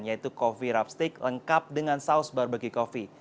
yaitu kopi wrap steak lengkap dengan saus barbecue coffee